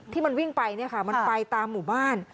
ที่มันวิ่งไปเนี่ยค่ะมันไปตามหมู่บ้าน